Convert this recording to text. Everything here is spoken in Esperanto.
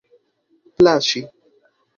plaĉi